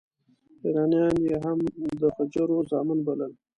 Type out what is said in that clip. ایرانیان یې هم د غجرو زامن بلل.